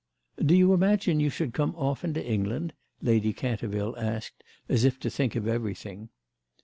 "Do you imagine you should come often to England?" Lady Canterville asked as if to think of everything.